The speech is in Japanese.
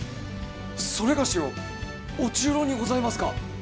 それがしを御中臈にございますか！？